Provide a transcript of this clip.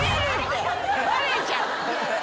バレちゃう。